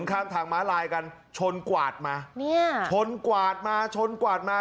ข้ามทางม้าลายกันชนกวาดมาเนี่ยชนกวาดมาชนกวาดมา